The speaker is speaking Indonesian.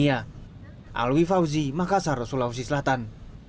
alwi fauzi makassar sulawesi selatan